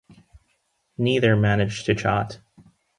Neither managed to chart.